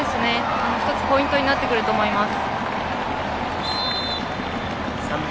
１つポイントになってくると思います。